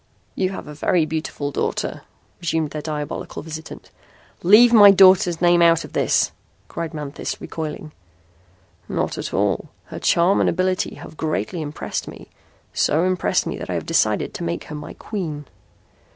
"You have a very beautiful daughter," resumed their diabolical visitant. "Leave my daughter's name out of this," cried Manthis, recoiling. "Not at all. Her charm and ability have greatly impressed me so impressed me that I have decided to make her my queen."